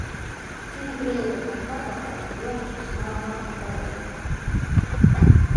Minu triibud on karvapealt jonksus Maa magnetväljadega.